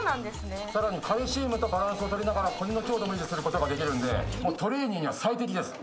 さらにカルシウムとバランスを取りながら骨の強度も維持することができるんでトレイニーには最適です！